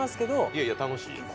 いやいや楽しいよ。